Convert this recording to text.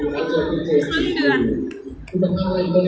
คือ๓เดือน